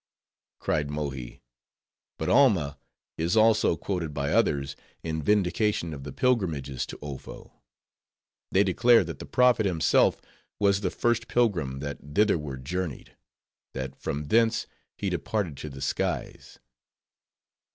Cried Mohi, "But Alma is also quoted by others, in vindication of the pilgrimages to Ofo. They declare that the prophet himself was the first pilgrim that thitherward journeyed: that from thence he departed to the skies."